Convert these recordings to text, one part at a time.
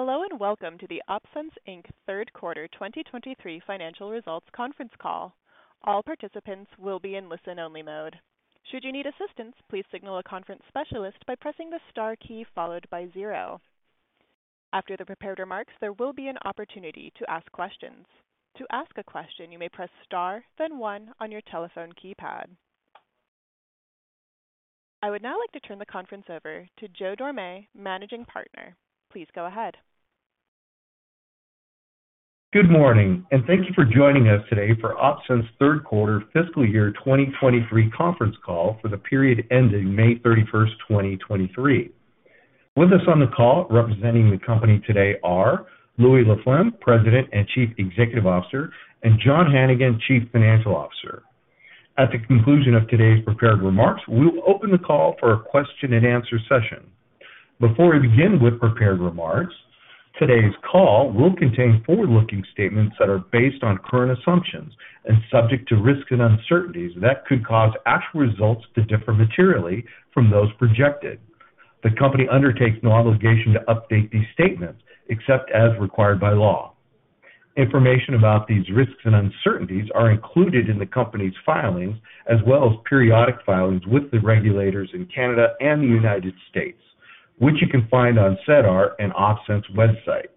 Hello, and welcome to the OpSens Inc. third quarter 2023 financial results conference call. All participants will be in listen-only mode. Should you need assistance, please signal a conference specialist by pressing the star key followed by 0. After the prepared remarks, there will be an opportunity to ask questions. To ask a question, you may press star, then one on your telephone keypad. I would now like to turn the conference over to Joe Dorame, Managing Partner. Please go ahead. Good morning, thank you for joining us today for OpSens third quarter fiscal year 2023 conference call for the period ending May 31st, 2023. With us on the call representing the company today are Louis Laflamme, President and Chief Executive Officer, and John Hannigan, Chief Financial Officer. At the conclusion of today's prepared remarks, we'll open the call for a question and answer session. Before we begin with prepared remarks, today's call will contain forward-looking statements that are based on current assumptions and subject to risks and uncertainties that could cause actual results to differ materially from those projected. The company undertakes no obligation to update these statements, except as required by law. Information about these risks and uncertainties are included in the company's filings, as well as periodic filings with the regulators in Canada and the United States, which you can find on SEDAR and OpSens website.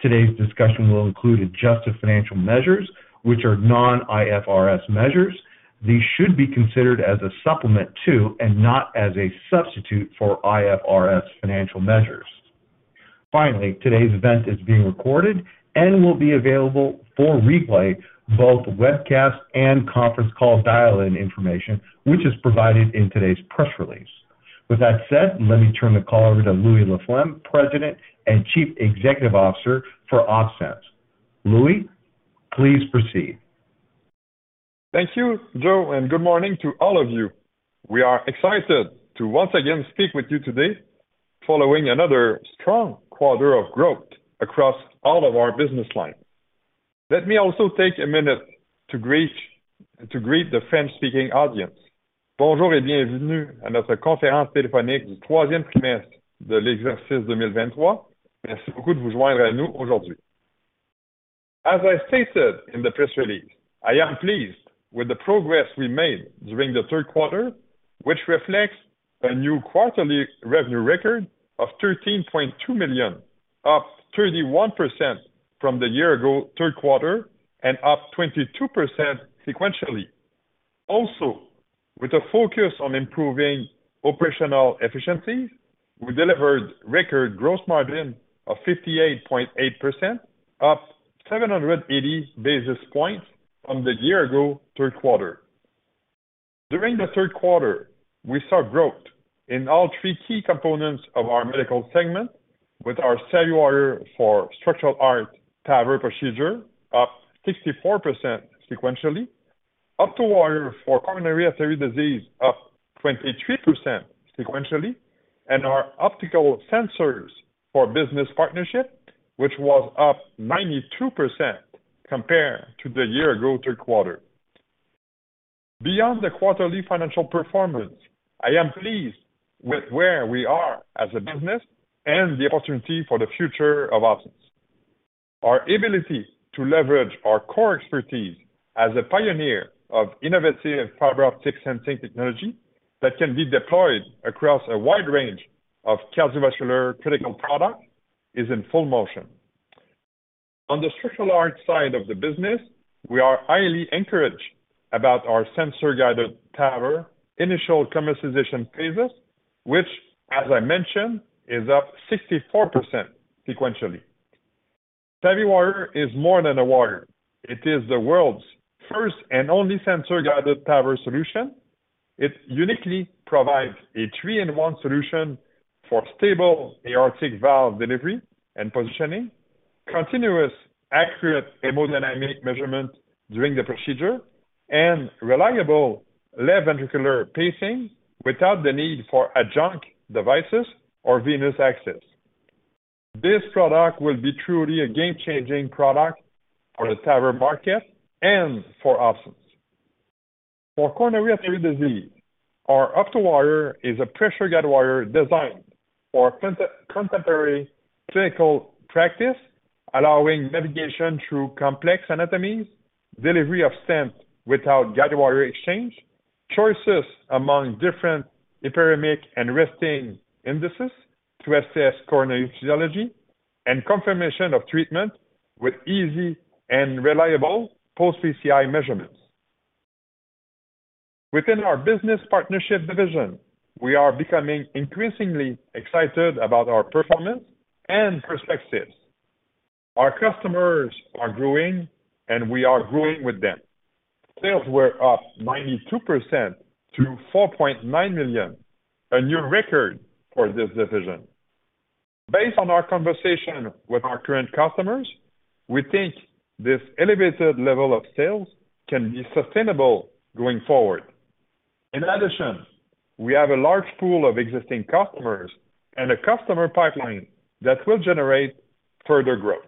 Today's discussion will include adjusted financial measures, which are non-IFRS measures. These should be considered as a supplement to and not as a substitute for IFRS financial measures. Finally, today's event is being recorded and will be available for replay, both webcast and conference call dial-in information, which is provided in today's press release. With that said, let me turn the call over to Louis Laflamme, President and Chief Executive Officer for OpSens. Louis, please proceed. Thank you, Joe, and good morning to all of you. We are excited to once again speak with you today following another strong quarter of growth across all of our business lines. Let me also take a minute to greet the French-speaking audience. As I stated in the press release, I am pleased with the progress we made during the third quarter, which reflects a new quarterly revenue record of 13.2 million, up 31% from the year ago third quarter and up 22% sequentially. Also, with a focus on improving operational efficiency, we delivered record gross margin of 58.8%, up 780 basis points from the year ago third quarter. During the third quarter, we saw growth in all three key components of our medical segment with our SavvyWire for structural heart TAVR procedure, up 64% sequentially, OptoWire for coronary artery disease, up 23% sequentially, and our optical sensors for business partnership, which was up 92% compared to the year ago third quarter. Beyond the quarterly financial performance, I am pleased with where we are as a business and the opportunity for the future of OpSens. Our ability to leverage our core expertise as a pioneer of innovative fiber optic sensing technology that can be deployed across a wide range of cardiovascular critical products is in full motion. On the structural heart side of the business, we are highly encouraged about our sensor-guided TAVR initial commercialization phases, which, as I mentioned, is up 64% sequentially. SavvyWire is more than a wire. It is the world's first and only sensor-guided TAVR solution. It uniquely provides a three-in-one solution for stable aortic valve delivery and positioning, continuous, accurate hemodynamic measurement during the procedure, and reliable left ventricular pacing without the need for adjunct devices or venous access. This product will be truly a game-changing product for the TAVR market and for OpSens. For coronary artery disease, our OptoWire is a pressure guidewire designed for contemporary clinical practice, allowing navigation through complex anatomies, delivery of stents without guidewire exchange, choices among different hyperemic and resting indices to assess coronary physiology, and confirmation of treatment with easy and reliable post-PCI measurements. Within our business partnership division, we are becoming increasingly excited about our performance and perspectives. Our customers are growing, and we are growing with them. Sales were up 92% to 4.9 million, a new record for this division. Based on our conversation with our current customers, we think this elevated level of sales can be sustainable going forward. We have a large pool of existing customers and a customer pipeline that will generate further growth.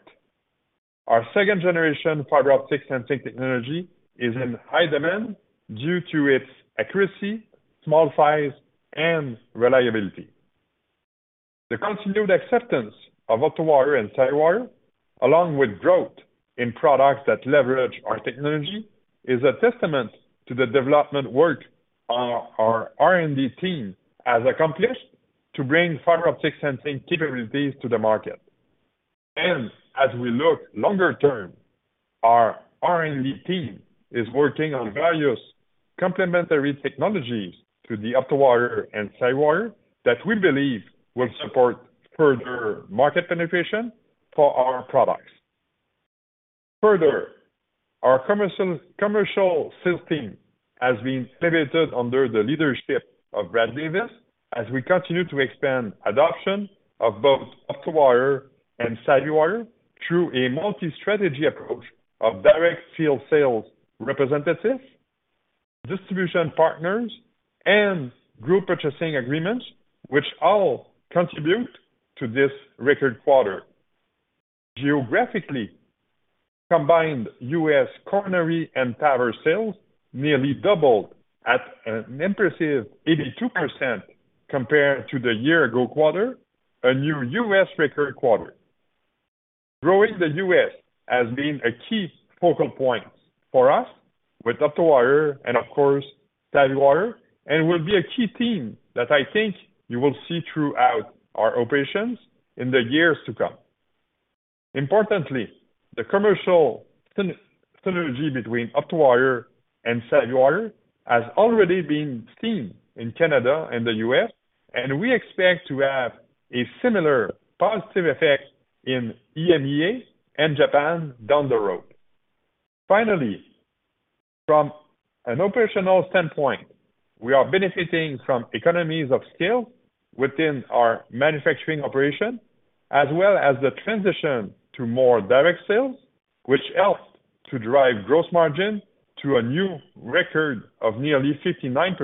Our 2nd-generation fiber optic sensing technology is in high demand due to its accuracy, small size, and reliability. The continued acceptance of OptoWire and SavvyWire, along with growth in products that leverage our technology, is a testament to the development work our R&D team has accomplished to bring fiber optic sensing capabilities to the market. As we look longer term, our R&D team is working on various complementary technologies to the OptoWire and SavvyWire that we believe will support further market penetration for our products. Further, our commercial sales team has been elevated under the leadership of Brad Davis, as we continue to expand adoption of both OptoWire and SavvyWire through a multi-strategy approach of direct field sales representatives, distribution partners, and group purchasing agreements, which all contribute to this record quarter. Geographically, combined U.S., coronary, and TAVR sales nearly doubled at an impressive 82% compared to the year-ago quarter, a new U.S. record quarter. Growing the U.S. has been a key focal point for us with OptoWire and of course, SavvyWire, and will be a key theme that I think you will see throughout our operations in the years to come. Importantly, the commercial synergy between OptoWire and SavvyWire has already been seen in Canada and the U.S., and we expect to have a similar positive effect in EMEA and Japan down the road. Finally, from an operational standpoint, we are benefiting from economies of scale within our manufacturing operation, as well as the transition to more direct sales, which helped to drive gross margin to a new record of nearly 59%.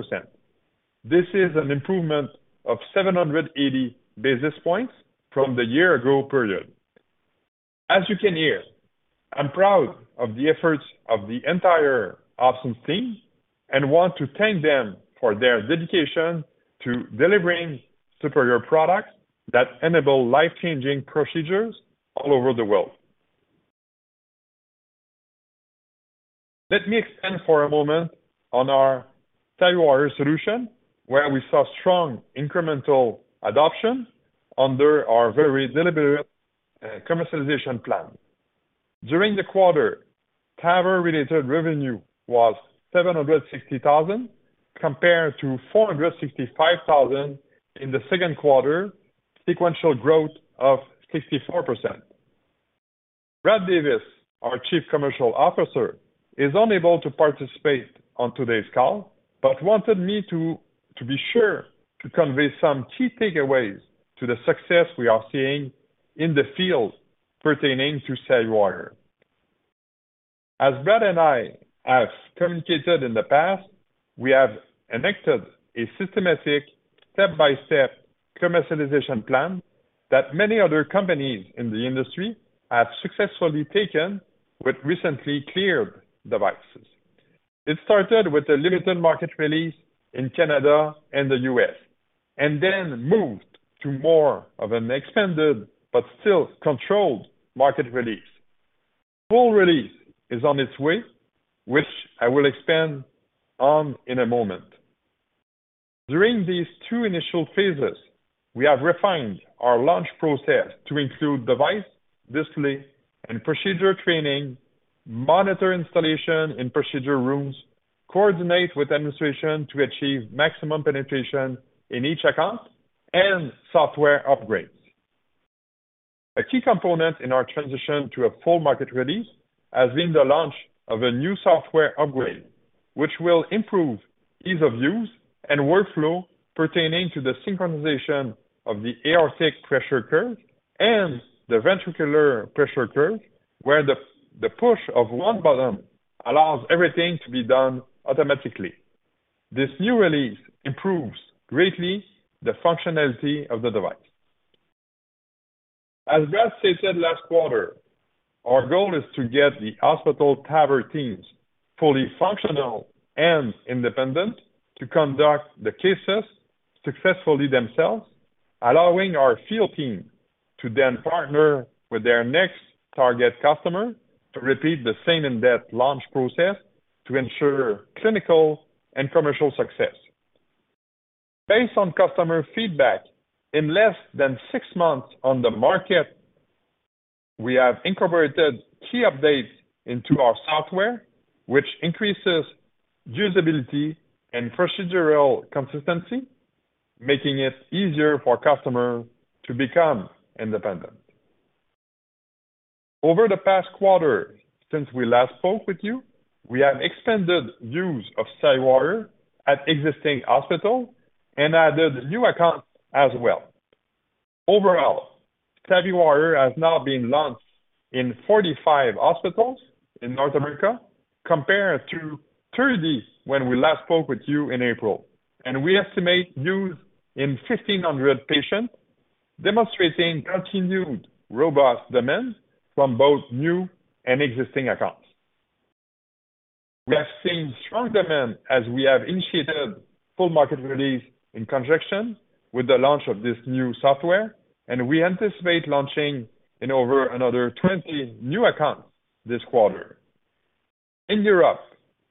This is an improvement of 780 basis points from the year-ago period. As you can hear, I'm proud of the efforts of the entire OpSens team and want to thank them for their dedication to delivering superior products that enable life-changing procedures all over the world. Let me expand for a moment on our SavvyWire solution, where we saw strong incremental adoption under our very deliberate commercialization plan. During the quarter, TAVR-related revenue was 760,000, compared to 465,000 in the second quarter, sequential growth of 64%. Brad Davis, our Chief Commercial Officer, is unable to participate on today's call, but wanted me to be sure to convey some key takeaways to the success we are seeing in the field pertaining to SavvyWire. As Brad and I have communicated in the past, we have enacted a systematic, step-by-step commercialization plan that many other companies in the industry have successfully taken with recently cleared devices. It started with a limited market release in Canada and the U.S., and then moved to more of an expanded but still controlled market release. Full release is on its way, which I will expand on in a moment. During these two initial phases, we have refined our launch process to include device, visually, and procedure training, monitor installation in procedure rooms, coordinate with administration to achieve maximum penetration in each account, and software upgrades. A key component in our transition to a full market release has been the launch of a new software upgrade, which will improve ease of use and workflow pertaining to the synchronization of the aortic pressure curve and the ventricular pressure curve, where the push of 1 button allows everything to be done automatically. This new release improves greatly the functionality of the device. As Brad stated last quarter, our goal is to get the hospital TAVR teams fully functional and independent to conduct the cases successfully themselves, allowing our field team to then partner with their next target customer to repeat the same in-depth launch process to ensure clinical and commercial success. Based on customer feedback, in less than 6 months on the market, we have incorporated key updates into our software, which increases usability and procedural consistency, making it easier for customers to become independent. Over the past quarter, since we last spoke with you, we have expanded use of SavvyWire at existing hospitals and added new accounts as well. Overall, SavvyWire has now been launched in 45 hospitals in North America, compared to 30 when we last spoke with you in April, and we estimate use in 1,500 patients, demonstrating continued robust demand from both new and existing accounts. We have seen strong demand as we have initiated full market release in conjunction with the launch of this new software, and we anticipate launching in over another 20 new accounts this quarter. In Europe,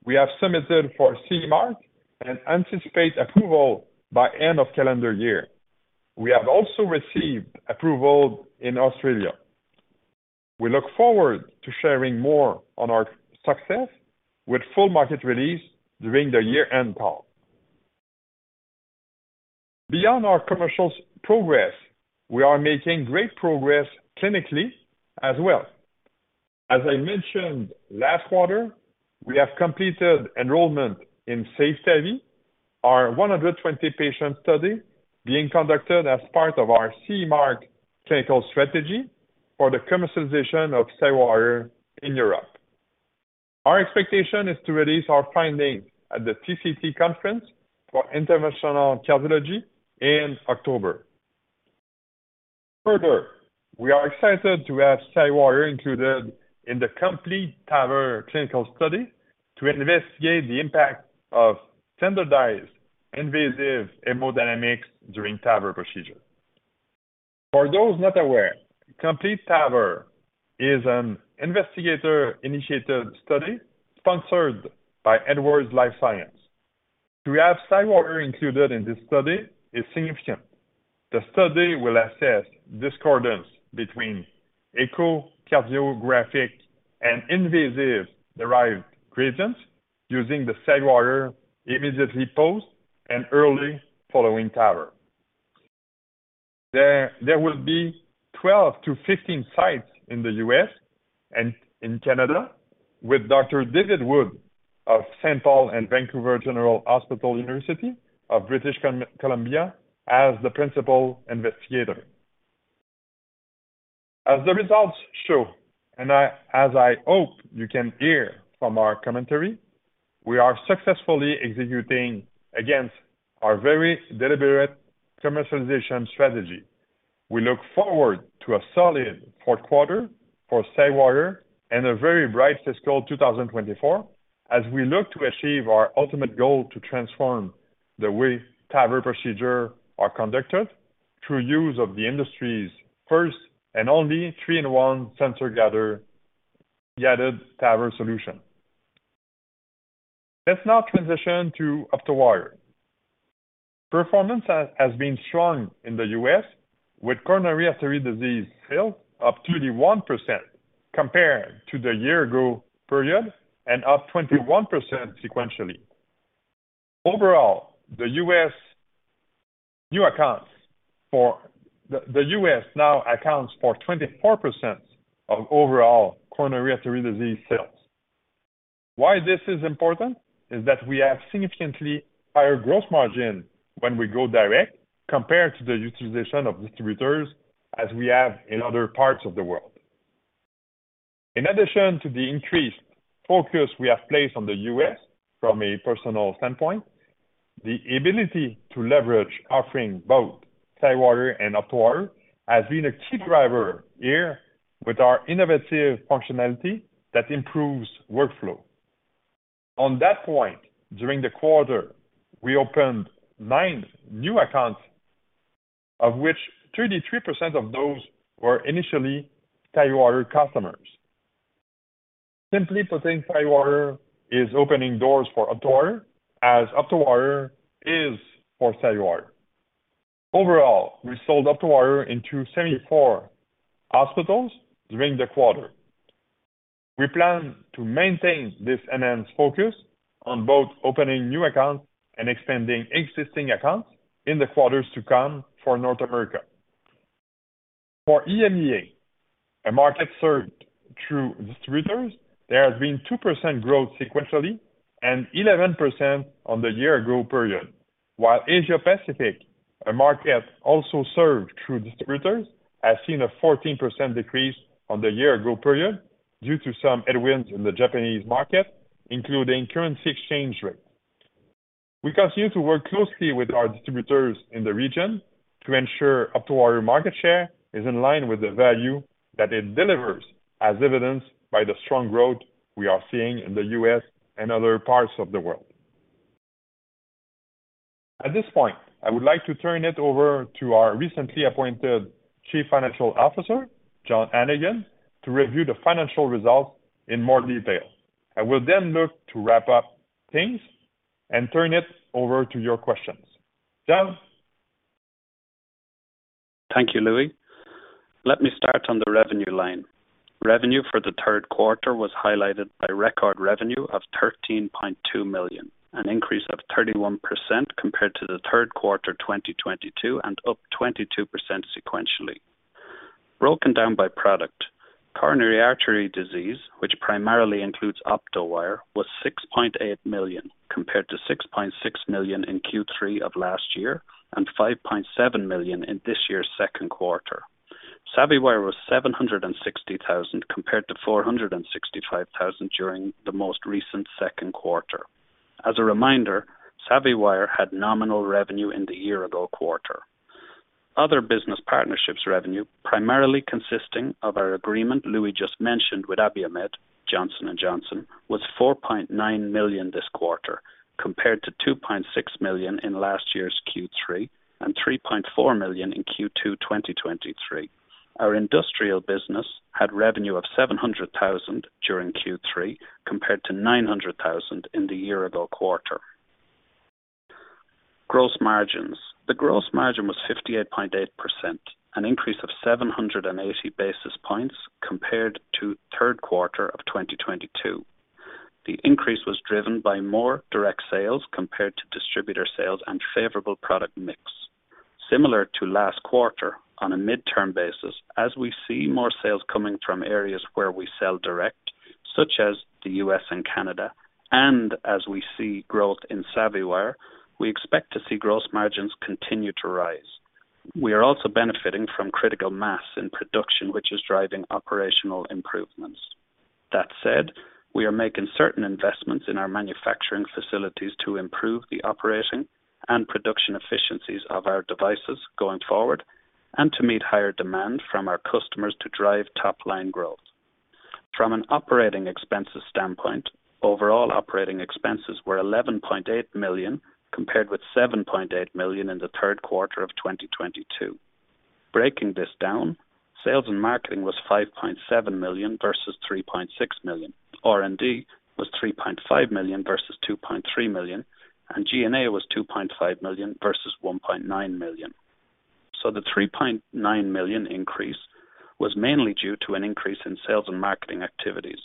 we have submitted for CE Mark and anticipate approval by end of calendar year. We have also received approval in Australia. We look forward to sharing more on our success with full market release during the year-end call. Beyond our commercials progress, we are making great progress clinically as well. As I mentioned last quarter, we have completed enrollment in SAFE-TAVI, our 120 patient study being conducted as part of our CE Mark clinical strategy for the commercialization of SavvyWire in Europe. Our expectation is to release our findings at the TCT Conference for Interventional Cardiology in October. We are excited to have SavvyWire included in the COMPLETE TAVR clinical study to investigate the impact of standardized invasive hemodynamics during TAVR procedure. For those not aware, COMPLETE TAVR is an investigator-initiated study sponsored by Edwards Lifesciences. To have SavvyWire included in this study is significant. The study will assess discordance between echocardiographic and invasive-derived gradients using the SavvyWire immediately post and early following TAVR. There will be 12 to 15 sites in the U.S. and in Canada, with Dr. David Wood of St. Paul's Hospital and Vancouver General Hospital, University of British Columbia, as the principal investigator. As the results show, as I hope you can hear from our commentary, we are successfully executing against our very deliberate commercialization strategy. We look forward to a solid fourth quarter for SavvyWire and a very bright fiscal 2024, as we look to achieve our ultimate goal to transform the way TAVR procedure are conducted through use of the industry's first and only three-in-one sensor gathered TAVR solution. Let's now transition to OptoWire. Performance has been strong in the U.S., with coronary artery disease sales up 31% compared to the year ago period and up 21% sequentially. Overall, the U.S. now accounts for 24% of overall coronary artery disease sales. Why this is important is that we have significantly higher gross margin when we go direct, compared to the utilization of distributors, as we have in other parts of the world. In addition to the increased focus we have placed on the U.S. from a personal standpoint, the ability to leverage offering both SavvyWire and OptoWire has been a key driver here with our innovative functionality that improves workflow. On that point, during the quarter, we opened 9 new accounts, of which 33% of those were initially SavvyWire customers. Simply putting SavvyWire is opening doors for OptoWire, as OptoWire is for SavvyWire. Overall, we sold OptoWire into 74 hospitals during the quarter. We plan to maintain this enhanced focus on both opening new accounts and expanding existing accounts in the quarters to come for North America. For EMEA, a market served through distributors, there has been 2% growth sequentially and 11% on the year-ago period, while Asia Pacific, a market also served through distributors, has seen a 14% decrease on the year-ago period due to some headwinds in the Japanese market, including currency exchange rate. We continue to work closely with our distributors in the region to ensure OptoWire market share is in line with the value that it delivers, as evidenced by the strong growth we are seeing in the U.S. and other parts of the world. At this point, I would like to turn it over to our recently appointed Chief Financial Officer, John Hannigan, to review the financial results in more detail. I will then look to wrap up things and turn it over to your questions. John? Thank you, Louis. Let me start on the revenue line. Revenue for the third quarter was highlighted by record revenue of 13.2 million, an increase of 31% compared to the third quarter 2022, and up 22% sequentially. Broken down by product, coronary artery disease, which primarily includes OptoWire, was 6.8 million, compared to 6.6 million in Q3 of last year and 5.7 million in this year's second quarter. SavvyWire was 760,000, compared to 465,000 during the most recent second quarter. As a reminder, SavvyWire had nominal revenue in the year-ago quarter. Other business partnerships revenue, primarily consisting of our agreement Louis Laflamme just mentioned with Abiomed, Johnson & Johnson, was 4.9 million this quarter, compared to 2.6 million in last year's Q3, and 3.4 million in Q2, 2023. Our industrial business had revenue of 700,000 during Q3, compared to 900,000 in the year-ago quarter. Gross margins. The gross margin was 58.8%, an increase of 780 basis points compared to third quarter of 2022. The increase was driven by more direct sales compared to distributor sales and favorable product mix. Similar to last quarter, on a midterm basis, as we see more sales coming from areas where we sell direct, such as the U.S. and Canada, and as we see growth in SavvyWire, we expect to see gross margins continue to rise. We are also benefiting from critical mass in production, which is driving operational improvements. That said, we are making certain investments in our manufacturing facilities to improve the operating and production efficiencies of our devices going forward, and to meet higher demand from our customers to drive top line growth. From an operating expenses standpoint, overall operating expenses were 11.8 million, compared with 7.8 million in the third quarter of 2022. Breaking this down, sales and marketing was 5.7 million versus 3.6 million. R&D was 3.5 million versus 2.3 million. G&A was 2.5 million versus 1.9 million. The 3.9 million increase was mainly due to an increase in sales and marketing activities,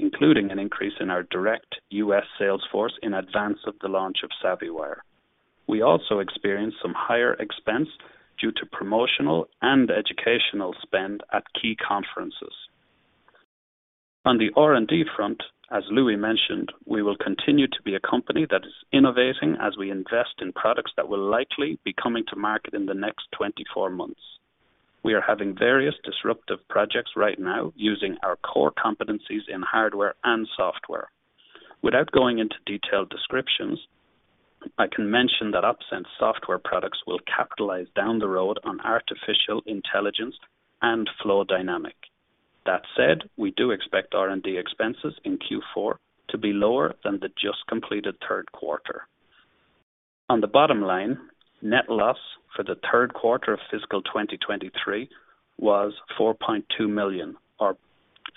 including an increase in our direct U.S. sales force in advance of the launch of SavvyWire. We also experienced some higher expense due to promotional and educational spend at key conferences. On the R&D front, as Louis mentioned, we will continue to be a company that is innovating as we invest in products that will likely be coming to market in the next 24 months. We are having various disruptive projects right now using our core competencies in hardware and software. Without going into detailed descriptions, I can mention that OpSens software products will capitalize down the road on artificial intelligence and fluid dynamics. That said, we do expect R&D expenses in Q4 to be lower than the just completed third quarter. On the bottom line, net loss for the third quarter of fiscal 2023 was 4.2 million, or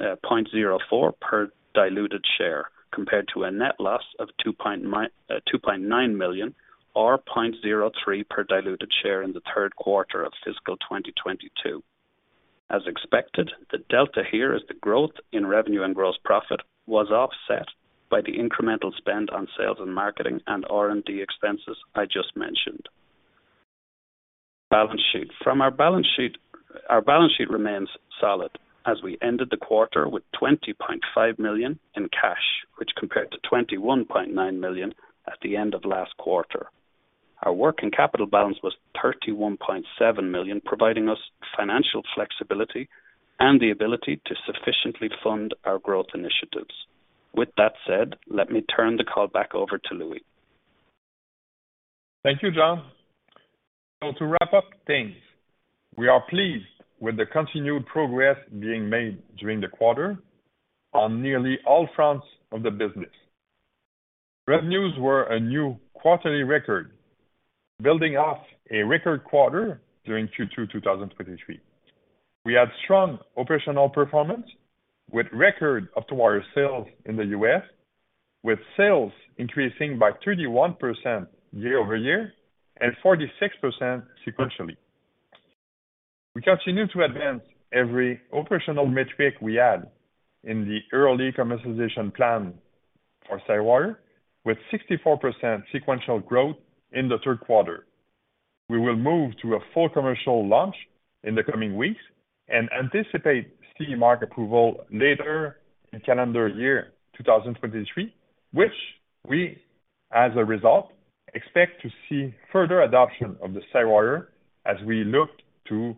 0.04 per diluted share, compared to a net loss of 2.9 million, or 0.03 per diluted share in the third quarter of fiscal 2022. As expected, the delta here is the growth in revenue and gross profit was offset by the incremental spend on sales and marketing and R&D expenses I just mentioned. Balance sheet. From our balance sheet, our balance sheet remains solid as we ended the quarter with 20.5 million in cash, which compared to 21.9 million at the end of last quarter. Our working capital balance was 31.7 million, providing us financial flexibility and the ability to sufficiently fund our growth initiatives. With that said, let me turn the call back over to Louis. Thank you, John. To wrap up things, we are pleased with the continued progress being made during the quarter on nearly all fronts of the business. Revenues were a new quarterly record, building off a record quarter during Q2, 2023. We had strong operational performance with record OpSens sales in the U.S., with sales increasing by 31% year-over-year and 46% sequentially. We continue to advance every operational metric we had in the early commercialization plan for SavvyWire, with 64% sequential growth in the third quarter. We will move to a full commercial launch in the coming weeks and anticipate CE Mark approval later in calendar year 2023, which we, as a result, expect to see further adoption of the SavvyWire as we look to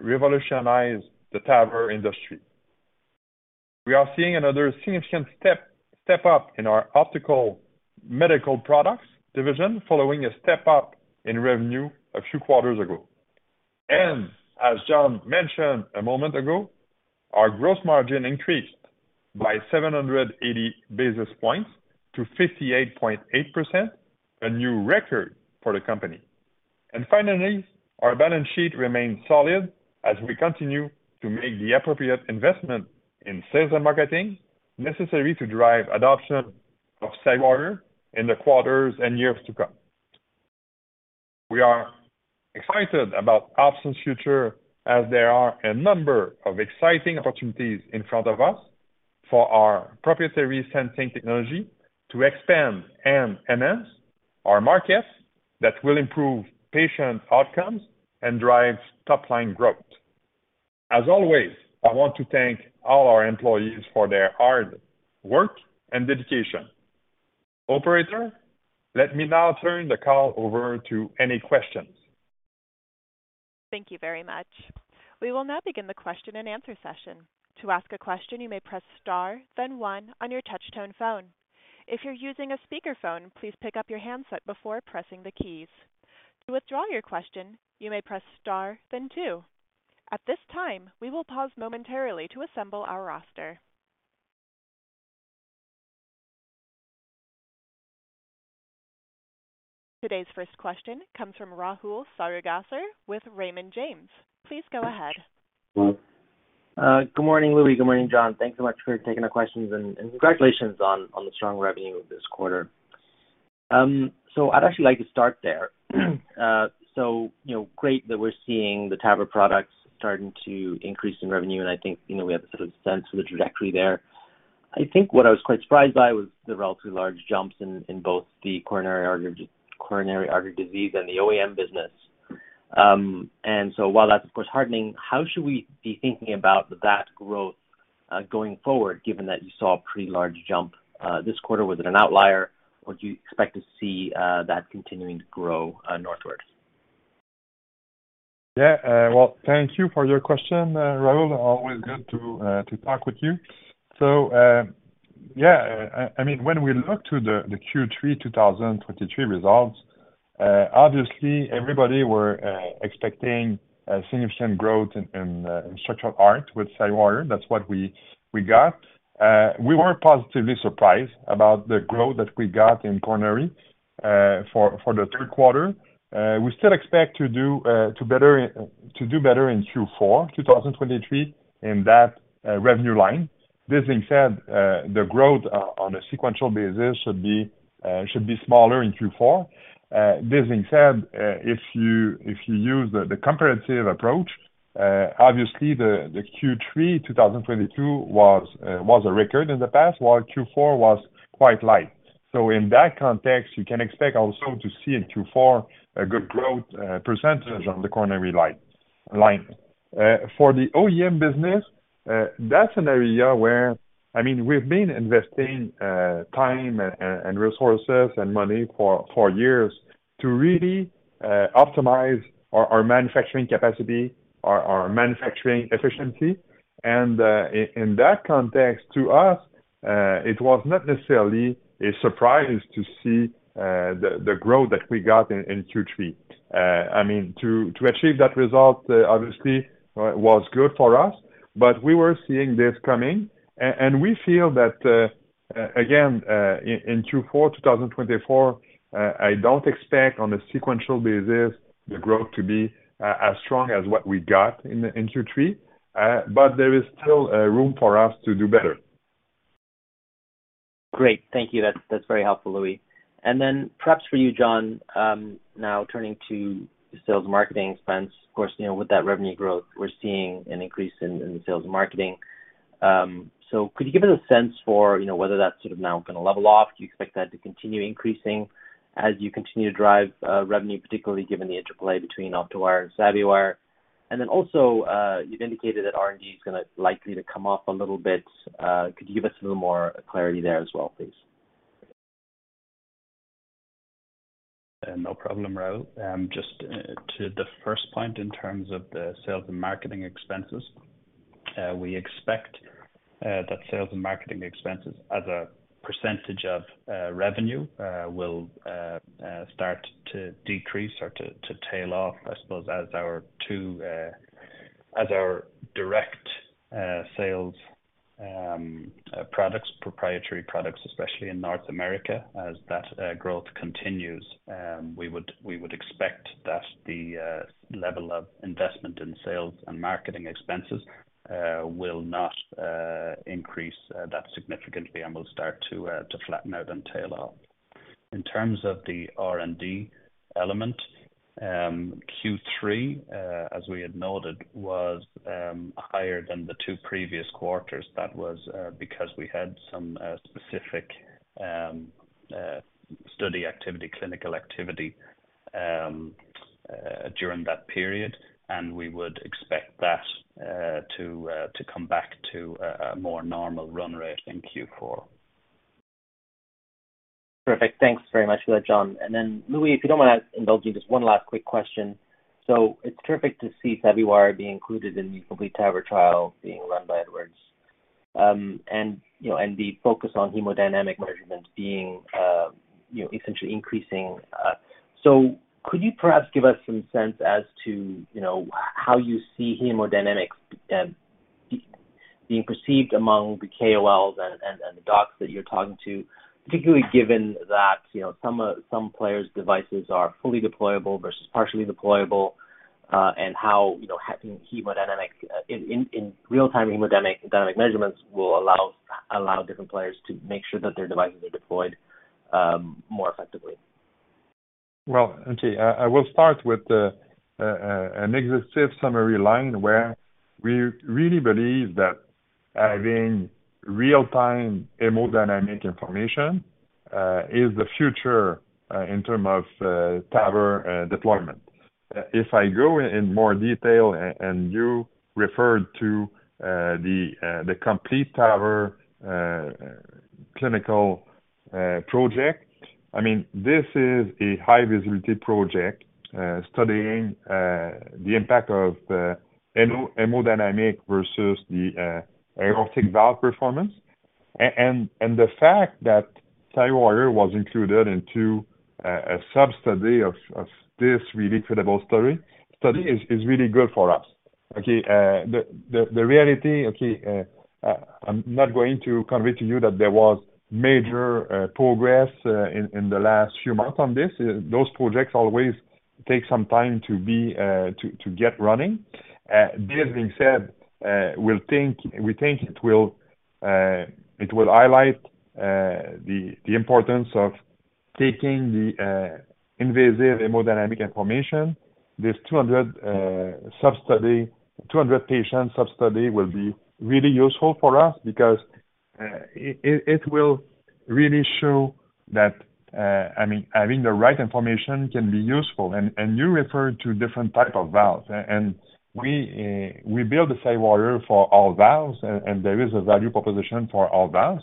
revolutionize the TAVR industry. We are seeing another significant step up in our optical medical products division, following a step up in revenue a few quarters ago. As John mentioned a moment ago, our gross margin increased by 780 basis points to 58.8%, a new record for the company. Finally, our balance sheet remains solid as we continue to make the appropriate investment in sales and marketing necessary to drive adoption of SavvyWire in the quarters and years to come. We are excited about OpSens' future as there are a number of exciting opportunities in front of us for our proprietary sensing technology to expand and enhance our markets that will improve patient outcomes and drive top-line growth. As always, I want to thank all our employees for their hard work and dedication. Operator, let me now turn the call over to any questions. Thank you very much. We will now begin the question and answer session. To ask a question, you may press star, then one on your touchtone phone. If you're using a speakerphone, please pick up your handset before pressing the keys. To withdraw your question, you may press star then two. At this time, we will pause momentarily to assemble our roster. Today's first question comes from Rahul Sarugaser with Raymond James. Please go ahead. Good morning, Louis. Good morning, John. Thanks so much for taking our questions, and congratulations on the strong revenue of this quarter. I'd actually like to start there. You know, great that we're seeing the TAVR products starting to increase in revenue, and I think, you know, we have a sort of sense of the trajectory there. I think what I was quite surprised by was the relatively large jumps in both the coronary artery disease and the OEM business. While that's of course heartening, how should we be thinking about that growth, going forward, given that you saw a pretty large jump, this quarter? Was it an outlier, or do you expect to see that continuing to grow northwards? Well, thank you for your question, Rahul. Always good to talk with you. I mean, when we look to the Q3 2023 results, obviously, everybody were expecting a significant growth in structural heart with SavvyWire. That's what we got. We were positively surprised about the growth that we got in coronary for the third quarter. We still expect to do better in Q4 2023 in that revenue line. This being said, the growth on a sequential basis should be smaller in Q4. This being said, if you use the comparative approach, obviously the Q3 2022 was a record in the past, while Q4 was quite light. In that context, you can expect also to see in Q4 a good growth % on the coronary line. For the OEM business, that's an area where, I mean, we've been investing time and resources and money for years to really optimize our manufacturing capacity, our manufacturing efficiency. In that context, to us, it was not necessarily a surprise to see the growth that we got in Q3. I mean, to achieve that result, obviously, was good for us, but we were seeing this coming. We feel that, again, in Q4, 2024, I don't expect on a sequential basis the growth to be as strong as what we got in Q3, but there is still room for us to do better. Great. Thank you. That's very helpful, Louis. Perhaps for you, John, now turning to the sales marketing expense. Of course, you know, with that revenue growth, we're seeing an increase in sales and marketing. Could you give us a sense for, you know, whether that's sort of now going to level off? Do you expect that to continue increasing as you continue to drive revenue, particularly given the interplay between OptoWire and SavvyWire? Also, you've indicated that R&D is gonna likely to come off a little bit. Could you give us a little more clarity there as well, please? No problem, Rahul. Just to the first point in terms of the sales and marketing expenses, we expect that sales and marketing expenses as a % of revenue will start to decrease or to tail off, I suppose, as our two, as our direct sales products, proprietary products, especially in North America, as that growth continues, we would expect that the level of investment in sales and marketing expenses will not increase that significantly and will start to flatten out and tail off. In terms of the R&D element, Q3, as we had noted, was higher than the two previous quarters. That was, because we had some specific study activity, clinical activity, during that period. We would expect that to come back to a more normal run rate in Q4. Perfect. Thanks very much for that, John. Louis, if you don't mind, indulging just one last quick question. It's terrific to see SavvyWire being included in the COMPLETE TAVR trial being run by Edwards, and, you know, the focus on hemodynamic measurements being, you know, essentially increasing. Could you perhaps give us some sense as to, you know, how you see hemodynamic being perceived among the KOLs and the docs that you're talking to, particularly given that, you know, some players' devices are fully deployable versus partially deployable, and how, you know, in real-time hemodynamic, dynamic measurements will allow different players to make sure that their devices are deployed more effectively? Well, okay, I will start with the an executive summary line where we really believe that having real-time hemodynamic information is the future in term of TAVR deployment. If I go in more detail, and you referred to the COMPLETE TAVR clinical project. I mean, this is a high-visibility project studying the impact of hemodynamic versus the aortic valve performance. The fact that SavvyWire was included into a sub-study of this really credible study is really good for us. Okay, the reality, okay, I'm not going to convey to you that there was major progress in the last few months on this. Those projects always take some time to be to get running. That being said, we think it will highlight the importance of taking the invasive hemodynamic information. This 200 sub-study, 200 patient sub-study will be really useful for us because it will really show that, I mean, having the right information can be useful. You referred to different type of valves, and we build the SavvyWire for all valves. There is a value proposition for all valves.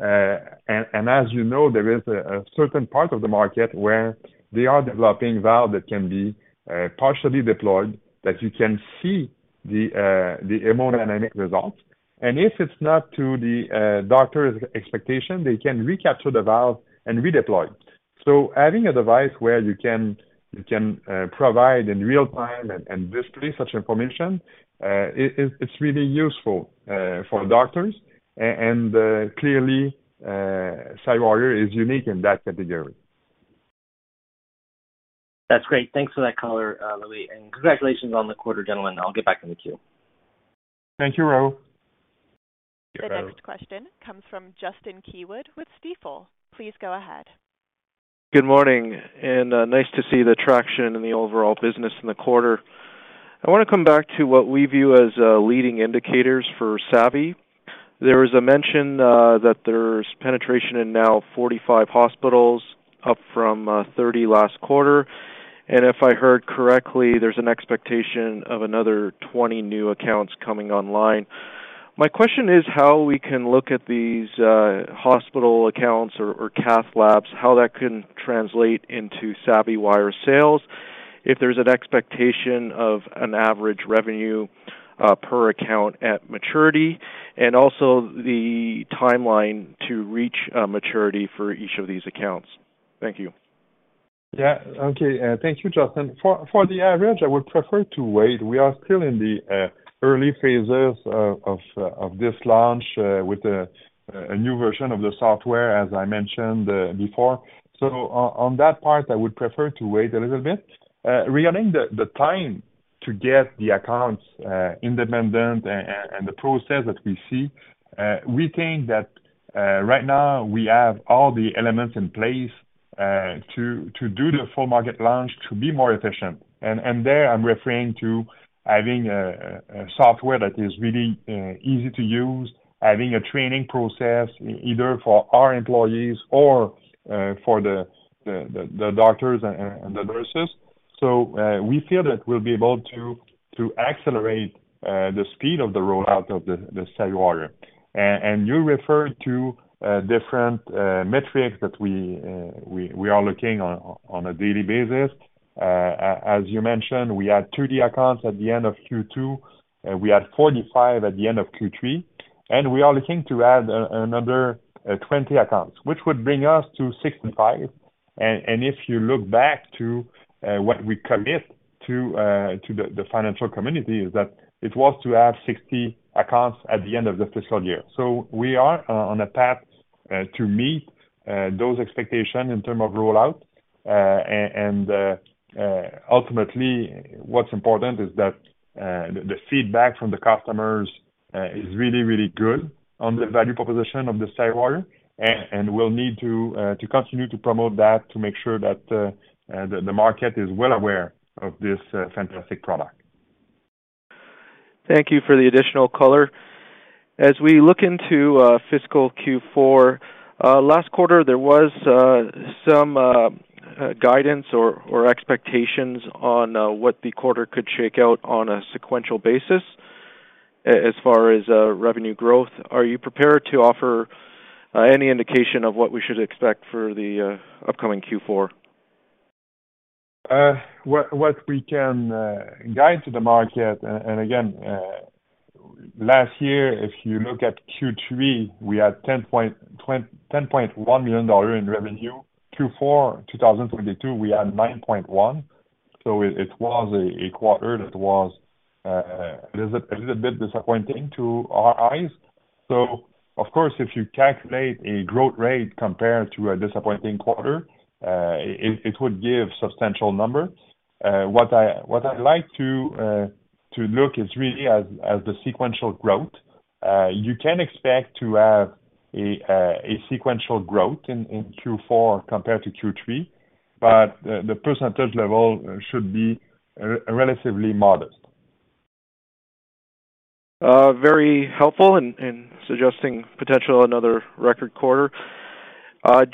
As you know, there is a certain part of the market where they are developing valve that can be partially deployed, that you can see the hemodynamic results. If it's not to the doctor's expectation, they can recapture the valve and redeploy it. Having a device where you can provide in real time and display such information, it's really useful for doctors. Clearly, SavvyWire is unique in that category. That's great. Thanks for that color, Louis, and congratulations on the quarter, gentlemen. I'll get back in the queue. Thank you, Rahul. The next question comes from Justin Keywood with Stifel. Please go ahead. Good morning, and nice to see the traction in the overall business in the quarter. I want to come back to what we view as leading indicators for SavvyWire. There is a mention that there's penetration in now 45 hospitals, up from 30 last quarter. If I heard correctly, there's an expectation of another 20 new accounts coming online. My question is how we can look at these hospital accounts or cath labs, how that can translate into SavvyWire sales, if there's an expectation of an average revenue per account at maturity, and also the timeline to reach maturity for each of these accounts. Thank you. Yeah. Okay, thank you, Justin. For the average, I would prefer to wait. We are still in the early phases of this launch, with a new version of the software, as I mentioned, before. On that part, I would prefer to wait a little bit. Regarding the time to get the accounts, independent and the process that we see, we think that, right now we have all the elements in place, to do the full market launch, to be more efficient. There I'm referring to having a software that is really, easy to use, having a training process, either for our employees or, for the doctors and the nurses. We feel that we'll be able to accelerate the speed of the rollout of the SavvyWire. You referred to different metrics that we are looking on a daily basis. As you mentioned, we had 30 accounts at the end of Q2, and we had 45 at the end of Q3, and we are looking to add another 20 accounts, which would bring us to 65. If you look back to what we commit to the financial community, is that it was to have 60 accounts at the end of the fiscal year. We are on a path to meet those expectations in term of rollout. Ultimately, what's important is that, the feedback from the customers, is really, really good on the value proposition of the SavvyWire, and we'll need to continue to promote that, to make sure that, the market is well aware of this fantastic product. Thank you for the additional color. As we look into fiscal Q4, last quarter, there was some guidance or expectations on what the quarter could shake out on a sequential basis, as far as revenue growth. Are you prepared to offer any indication of what we should expect for the upcoming Q4? What we can guide to the market, and again, last year, if you look at Q3, we had 10.1 million dollars in revenue. Q4 2022, we had 9.1 million. It was a quarter that was a little bit disappointing to our eyes. Of course, if you calculate a growth rate compared to a disappointing quarter, it would give substantial numbers. What I'd like to look is really as the sequential growth. You can expect to have a sequential growth in Q4 compared to Q3, but the percentage level should be relatively modest. Very helpful in suggesting potential another record quarter.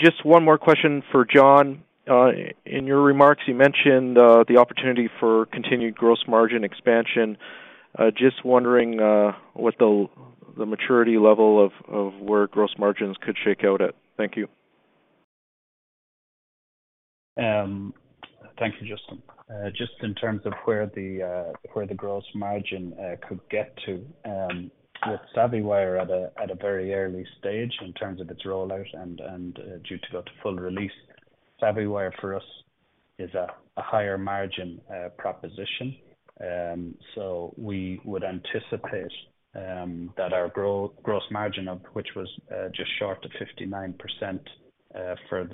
Just one more question for John. In your remarks, you mentioned, the opportunity for continued gross margin expansion. Just wondering, what the maturity level of where gross margins could shake out at. Thank you. Thank you, Justin. Just in terms of where the gross margin could get to, with SavvyWire at a very early stage in terms of its rollout and due to go to full release. SavvyWire for us is a higher margin proposition. We would anticipate that our gross margin, of which was just short to 59% for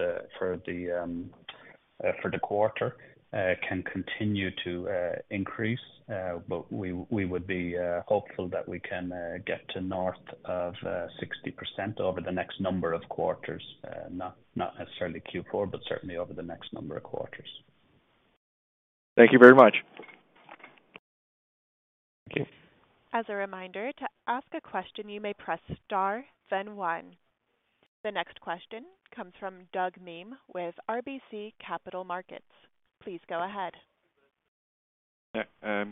the quarter, can continue to increase. We would be hopeful that we can get to north of 60% over the next number of quarters, not necessarily Q4, but certainly over the next number of quarters. Thank you very much. Thank you. As a reminder, to ask a question, you may press star, then one. The next question comes from Douglas Miehm, with RBC Capital Markets. Please go ahead. Yeah,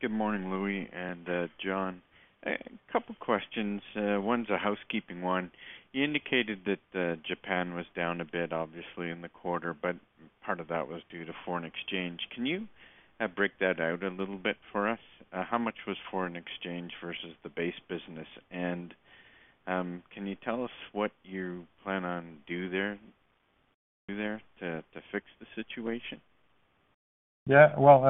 good morning, Louis and John. A couple questions, one's a housekeeping one. You indicated that Japan was down a bit, obviously in the quarter, but part of that was due to foreign exchange. Can you break that out a little bit for us? How much was foreign exchange versus the base business? Can you tell us what you plan on do there to fix the situation? Yeah, well,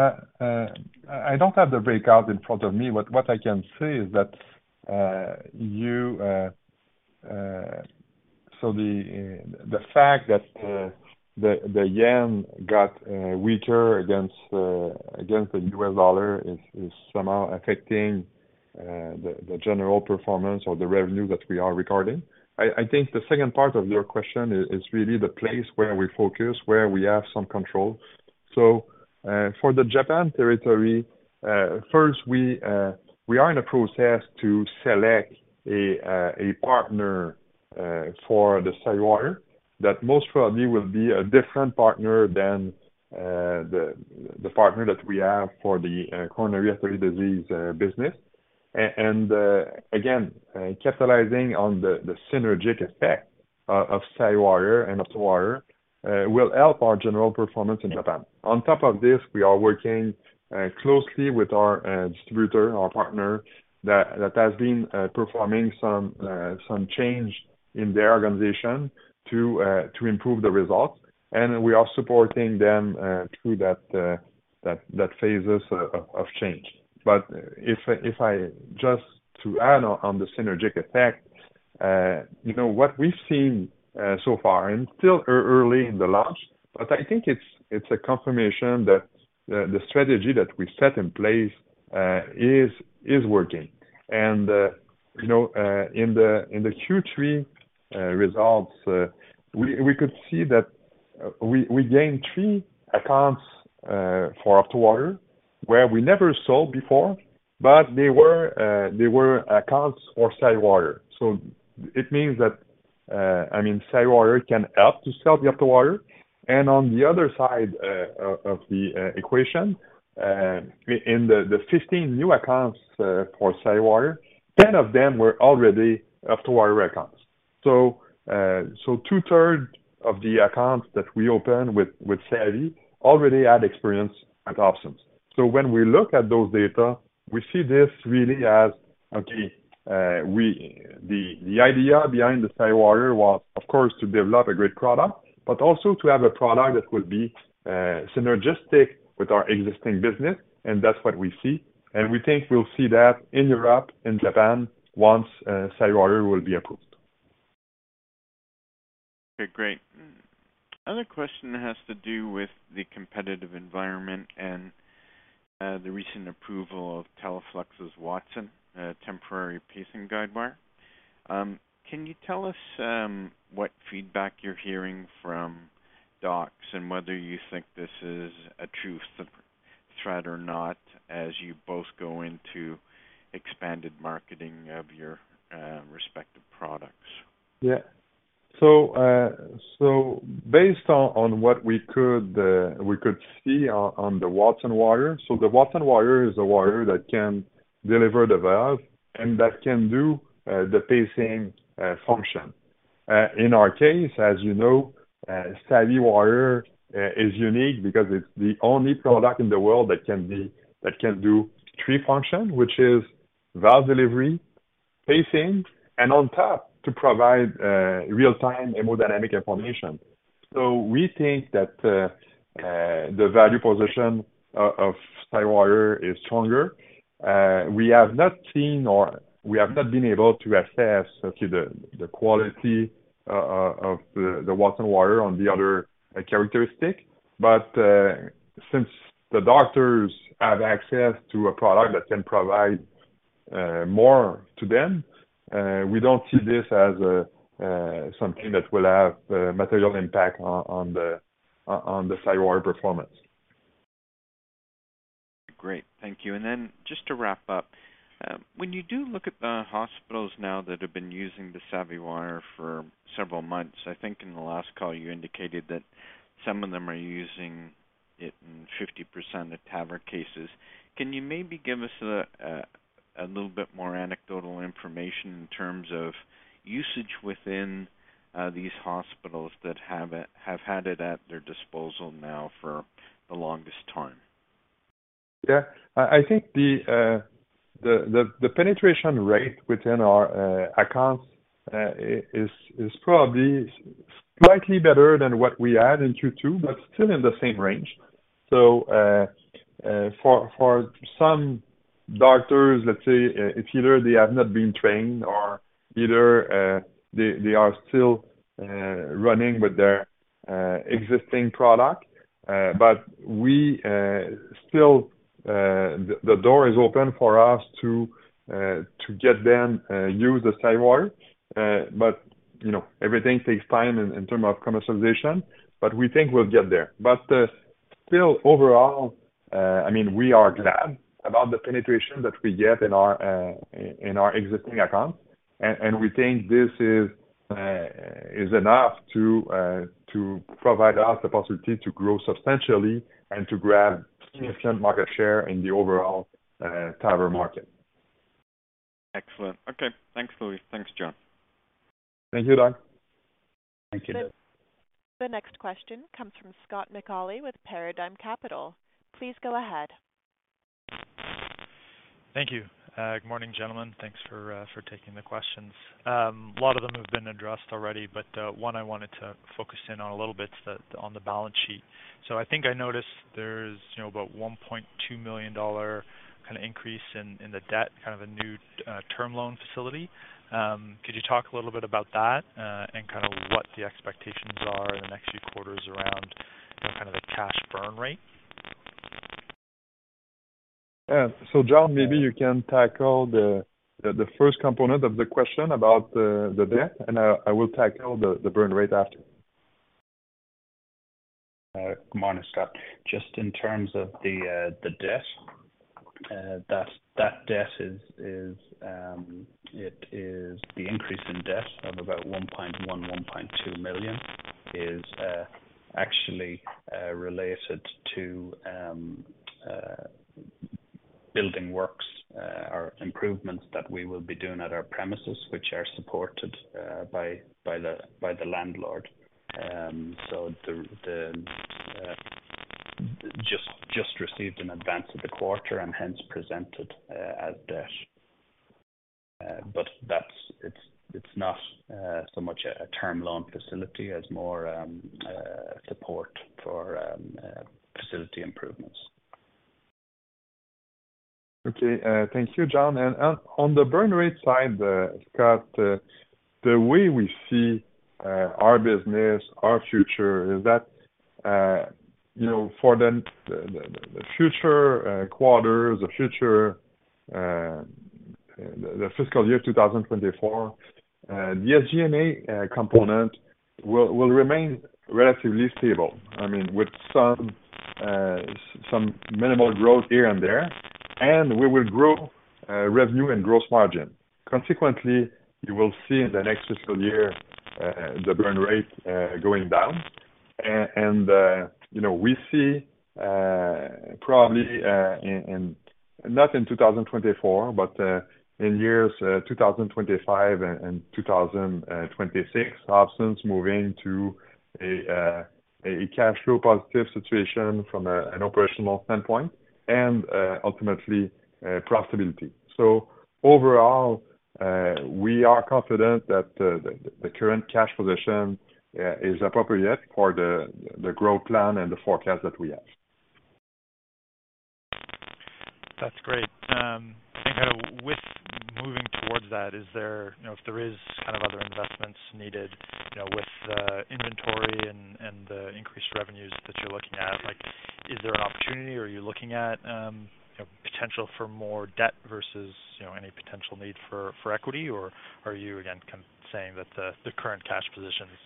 I don't have the breakout in front of me, but what I can say is that the fact that the yen got weaker against the US dollar is somehow affecting the general performance or the revenue that we are recording. I think the second part of your question is really the place where we focus, where we have some control. For the Japan territory, first, we are in a process to select a partner for the SavvyWire that most probably will be a different partner than the partner that we have for the coronary artery disease business. Again, capitalizing on the synergic effect of SavvyWire and OptoWire will help our general performance in Japan. On top of this, we are working closely with our distributor, our partner, that has been performing some change in their organization to improve the results, and we are supporting them through that phases of change. If I just to add on the synergic effect, you know, what we've seen so far, and still early in the launch, but I think it's a confirmation that the strategy that we set in place is working. You know, in the Q3 results, we could see that we gained 3 accounts for OptoWire, where we never sold before, but they were accounts for SavvyWire. It means that, I mean, SavvyWire can help to sell the OptoWire. On the other side of the equation, in the 15 new accounts for SavvyWire, 10 of them were already OptoWire accounts. so two-third of the accounts that we opened with Savvy already had experience at OpSens. When we look at those data, we see this really as, okay, we... The idea behind the SavvyWire was, of course, to develop a great product, but also to have a product that will be synergistic with our existing business, that's what we see. We think we'll see that in Europe and Japan once SavvyWire will be approved. Okay, great. Other question has to do with the competitive environment and the recent approval of Teleflex's Wattson temporary pacing guidewire. Can you tell us what feedback you're hearing from docs and whether you think this is a true threat or not, as you both go into expanded marketing of your respective products? Yeah. Based on what we could see on the Wattson, the Wattson is a wire that can deliver the valve, and that can do the pacing function. In our case, as you know, SavvyWire is unique because it's the only product in the world that can do three functions, which is: valve delivery, pacing, and on top, to provide real-time hemodynamic information. We think that the value position of SavvyWire is stronger. We have not seen, or we have not been able to assess the quality of the Wattson on the other characteristic. Since the doctors have access to a product that can provide more to them, we don't see this as a something that will have material impact on the SavvyWire performance. Great. Thank you. Then just to wrap up, when you do look at the hospitals now that have been using the SavvyWire for several months, I think in the last call, you indicated that some of them are using it in 50% of TAVR cases. Can you maybe give us a little bit more anecdotal information in terms of usage within these hospitals that have had it at their disposal now for the longest time? Yeah. I think the penetration rate within our accounts is probably slightly better than what we had in 2022, but still in the same range. For some doctors, let's say, either they have not been trained or either they are still running with their existing product. We still the door is open for us to get them use the SavvyWire. You know, everything takes time in term of commercialization, we think we'll get there. Still overall, I mean, we are glad about the penetration that we get in our existing accounts. We think this is enough to provide us the opportunity to grow substantially and to grab significant market share in the overall TAVR market. Excellent. Okay. Thanks, Louis. Thanks, John. Thank you, Doug. Thank you. The next question comes from Scott McAuley with Paradigm Capital. Please go ahead. Thank you. Good morning, gentlemen. Thanks for taking the questions. A lot of them have been addressed already, but one I wanted to focus in on a little bit on the balance sheet. I think I noticed there's, you know, about a 1.2 million dollar kind of increase in the debt, kind of a new term loan facility. Could you talk a little bit about that and kind of what the expectations are in the next few quarters around kind of the cash burn rate? Yeah. John, maybe you can tackle the first component of the question about the debt, and I will tackle the burn rate after. Good morning, Scott. Just in terms of the debt, that debt is, it is the increase in debt of about 1.1 million-1.2 million is actually related to building works or improvements that we will be doing at our premises, which are supported by the landlord. The just received an advance of the quarter and hence presented as debt. That's it's not so much a term loan facility as more support for facility improvements. Okay. Thank you, John. On the burn rate side, Scott, the way we see our business, our future, is that, you know, for the future quarters, the future fiscal year 2024, the SG&A component will remain relatively stable. I mean, with some minimal growth here and there, we will grow revenue and gross margin. Consequently, you will see in the next fiscal year the burn rate going down. You know, we see probably not in 2024, but in years 2025 and 2026, OpSens moving to a cash flow positive situation from an operational standpoint and ultimately profitability. Overall, we are confident that the current cash position is appropriate for the growth plan and the forecast that we have. That's great. With moving towards that, is there, you know, if there is kind of other investments needed, you know, with the inventory and the increased revenues that you're looking at, like, is there an opportunity or are you looking at, you know, potential for more debt versus, you know, any potential need for equity? Or are you again, kind of saying that the current cash position is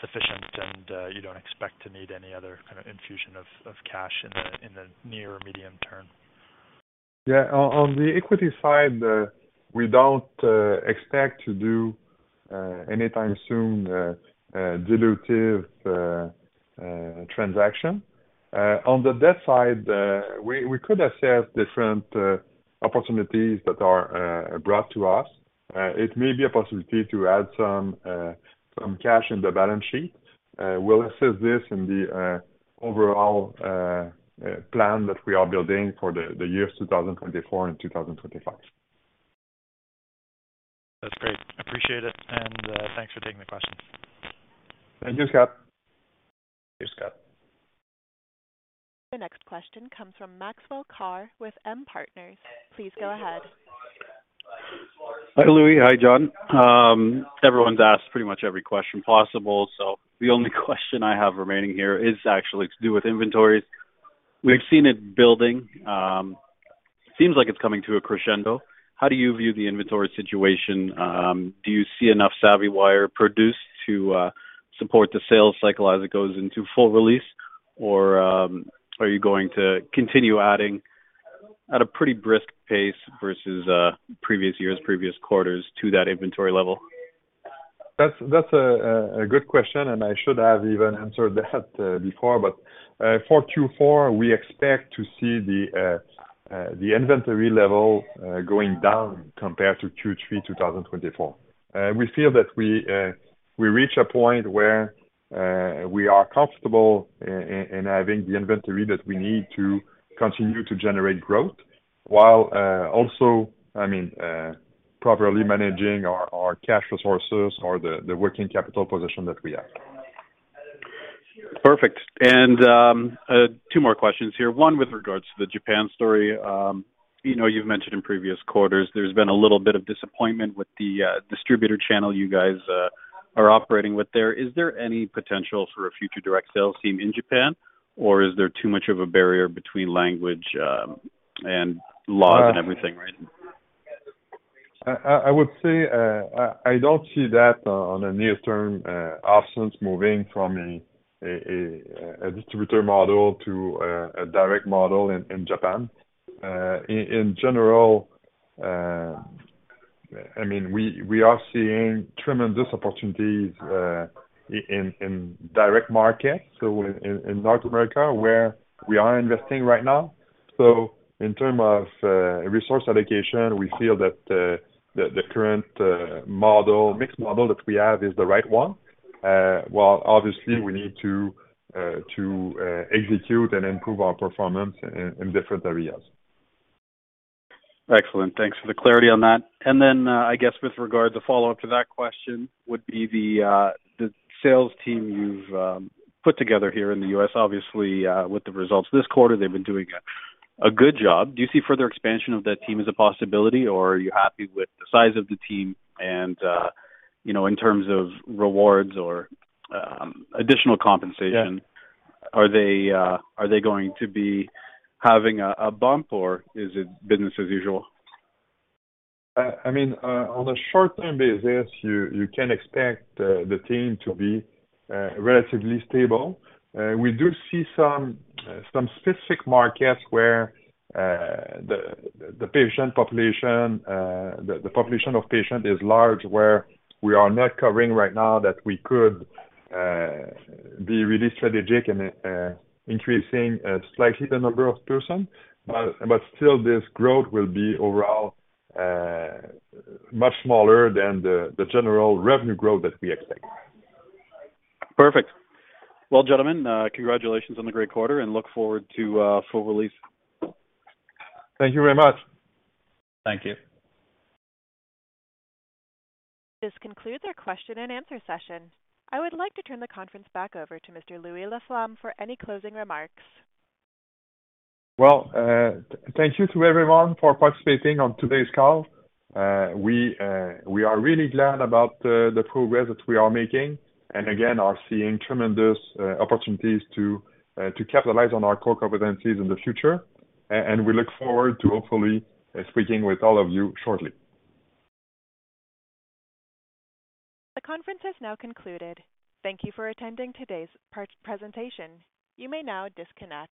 sufficient and, you don't expect to need any other kind of infusion of cash in the, in the near or medium term? On the equity side, we don't expect to do anytime soon a dilutive transaction. On the debt side, we could assess different opportunities that are brought to us. It may be a possibility to add some cash in the balance sheet. We'll assess this in the overall plan that we are building for the years 2024 and 2025. That's great. I appreciate it, and thanks for taking the questions. Thank you, Scott. Thanks, Scott. The next question comes from Maxwell Carr with M Partners. Please go ahead. Hi, Louis. Hi, John. Everyone's asked pretty much every question possible. The only question I have remaining here is actually to do with inventories. We've seen it building. Seems like it's coming to a crescendo. How do you view the inventory situation? Do you see enough SavvyWire produced to support the sales cycle as it goes into full release? Or are you going to continue adding at a pretty brisk pace versus previous years, previous quarters to that inventory level? That's a good question, and I should have even answered that before. For Q4, we expect to see the inventory level going down compared to Q3, 2024. We feel that we reach a point where we are comfortable in having the inventory that we need to continue to generate growth, while also, I mean, properly managing our cash resources or the working capital position that we have. Perfect. Two more questions here. One, with regards to the Japan story. We know you've mentioned in previous quarters, there's been a little bit of disappointment with the distributor channel you guys are operating with there. Is there any potential for a future direct sales team in Japan, or is there too much of a barrier between language and laws and everything, right? I would say, I don't see that on the near term OpSens moving from a distributor model to a direct model in Japan. In general, I mean, we are seeing tremendous opportunities in direct markets, so in North America, where we are investing right now. In term of resource allocation, we feel that the current model, mixed model that we have is the right one. While obviously we need to execute and improve our performance in different areas. Excellent. Thanks for the clarity on that. I guess with regard, the follow-up to that question would be the sales team you've put together here in the U.S. Obviously, with the results this quarter, they've been doing a good job. Do you see further expansion of that team as a possibility, or are you happy with the size of the team and, you know, in terms of rewards or, additional compensation... Yeah. Are they going to be having a bump or is it business as usual? I mean, on a short-term basis, you can expect the team to be relatively stable. We do see some specific markets where the patient population, the population of patient is large, where we are not covering right now, that we could be really strategic and increasing slightly the number of person. Still, this growth will be overall much smaller than the general revenue growth that we expect. Perfect. Well, gentlemen, congratulations on the great quarter and look forward to full release. Thank you very much. Thank you. This concludes our question and answer session. I would like to turn the conference back over to Mr. Louis Laflamme for any closing remarks. Well, thank you to everyone for participating on today's call. We are really glad about the progress that we are making, and again, are seeing tremendous opportunities to capitalize on our core competencies in the future. We look forward to hopefully speaking with all of you shortly. The conference is now concluded. Thank you for attending today's part presentation. You may now disconnect.